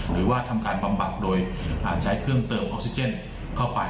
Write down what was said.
หรือว่าทำการบำบัดโดยใช้เครื่องเติมออกซิเจนเข้าไป